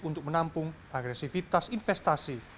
untuk menampung agresivitas investasi